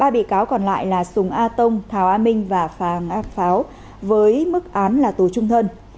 ba bị cáo còn lại là súng a tông thảo a minh và phàng a báo với mức án là tù trung thân